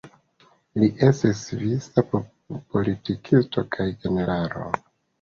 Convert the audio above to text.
Li estis svisa politikisto kaj generalo.